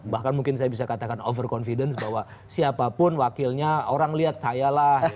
bahkan mungkin saya bisa katakan over confidence bahwa siapapun wakilnya orang lihat saya lah